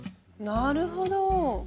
なるほど！